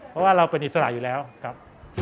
เพราะว่าเราเป็นอิสระอยู่แล้วครับ